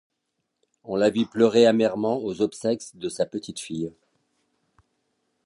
On la vit pleurer amèrement aux obsèques de sa petite belle-fille.